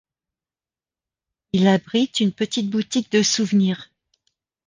Il abrite une petite boutique de souvenirs.